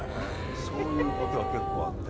そういうことが結構あって。